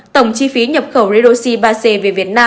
tổng chi phí nhập khẩu redoxi ba c về việt nam